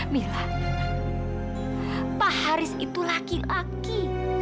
pak haris itu laki laki